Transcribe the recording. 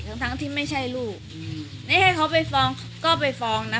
ทั้งทั้งที่ไม่ใช่ลูกอืมไม่ให้เขาไปฟ้องก็ไปฟ้องนะ